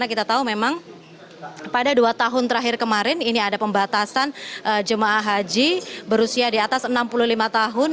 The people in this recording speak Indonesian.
kita tahu memang pada dua tahun terakhir kemarin ini ada pembatasan jemaah haji berusia di atas enam puluh lima tahun